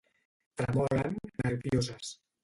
Tremolen, nervioses.